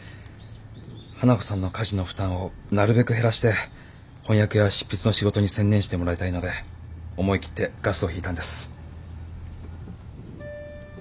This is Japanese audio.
花子さんの家事の負担をなるべく減らして翻訳や執筆の仕事に専念してもらいたいので思い切ってガスを引いたんです。